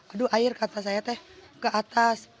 aduh air kata saya teh ke atas